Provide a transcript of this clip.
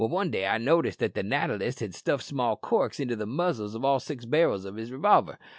"One day I noticed that the natter list had stuffed small corks into the muzzles of all the six barrels of his revolver.